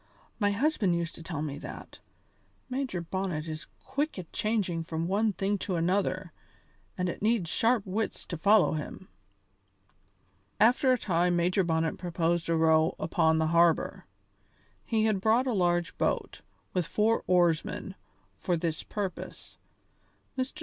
"My husband used to tell me that. Major Bonnet is quick at changing from one thing to another, and it needs sharp wits to follow him." After a time Major Bonnet proposed a row upon the harbour he had brought a large boat, with four oarsmen, for this purpose. Mr.